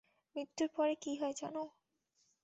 মৃত্যুর পরে কী হয় জানো?